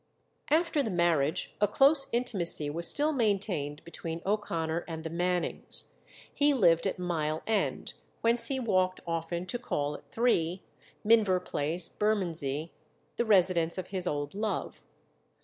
After the marriage a close intimacy was still maintained between O'Connor and the Mannings. He lived at Mile End, whence he walked often to call at 3, Minver Place, Bermondsey, the residence of his old love.